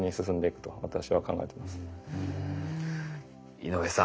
井上さん